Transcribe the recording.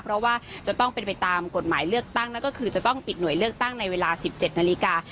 เพราะว่าจะต้องเป็นไปตามกฎหมายเลือกตั้งนั่นก็คือจะต้องปิดหน่วยเลือกตั้งในเวลา๑๗นาฬิกา